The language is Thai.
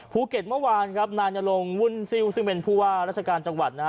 ภูเก็ตเมื่อวานครับนายนรงวุ่นซิลซึ่งเป็นผู้ว่าราชการจังหวัดนะฮะ